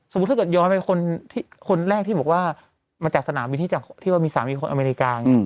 สมมุติถ้าเกิดย้อนไปคนแรกที่บอกว่ามาจากศาลมีที่ที่ว่ามี๓อีโคนอเมริกา